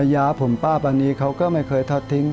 ยาผมป้าปานีเขาก็ไม่เคยทอดทิ้ง